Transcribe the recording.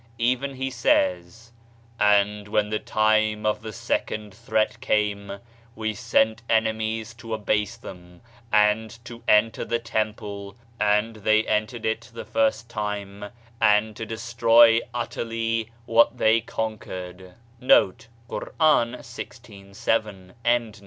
Even he says : "And when the time of the second threat came, we sent enemies to abase them, and to enter the temple, and they en tered it the first time; and to destroy utterly what they conquered."